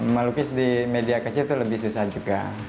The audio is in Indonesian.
melukis di media kecil itu lebih susah juga